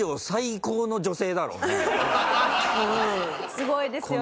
すごいですよね。